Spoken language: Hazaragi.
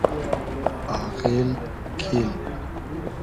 آغیل کیل